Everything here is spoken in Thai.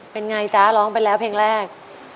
เป็นไงจ๊ะร้องไปแล้วเพลงแรก